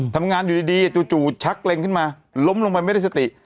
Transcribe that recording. ทำงานอยู่ดีจู่ชักเล็งขึ้นมาล้มลงไปไม่ได้สติ